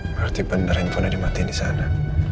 berarti bener handphone dimatiin di sana